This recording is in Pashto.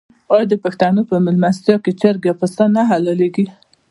آیا د پښتنو په میلمستیا کې چرګ یا پسه نه حلاليږي؟